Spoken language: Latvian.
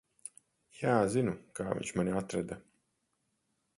Jā, zinu, kā viņš mani atrada.